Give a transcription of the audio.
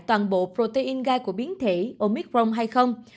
toàn bộ protein gai của biến thể omicron hay không